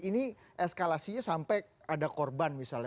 ini eskalasinya sampai ada korban misalnya